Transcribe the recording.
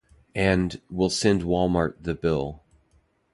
And, we'll send Wal-Mart the bill.